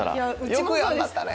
よく頑張ったね！